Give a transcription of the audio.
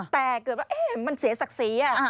แต่เกิดว่ามันเสียศักดิ์ศรี